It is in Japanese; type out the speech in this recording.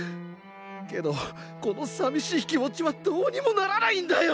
けどこのさみしい気持ちはどうにもならないんだよ！